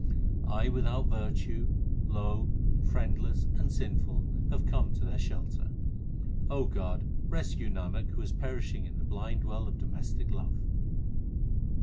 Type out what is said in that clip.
I without virtue, low, friendless, and sinful have come to their shelter. God, rescue Nanak who is perishing in the blind well of domestic love.